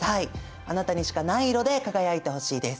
あなたにしかない色で輝いてほしいです。